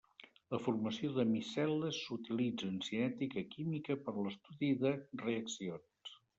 La formació de micel·les s’utilitza en cinètica química per l’estudi de reaccions.